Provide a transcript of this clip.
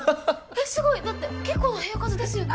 えっすごいだってけっこうな部屋数ですよね？